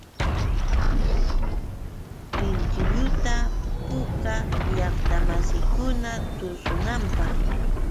Pinkulluta puukaa llaqtamasiikuna tushunanpaq.